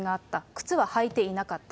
靴は履いていなかった。